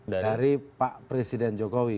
dari pak presiden jokowi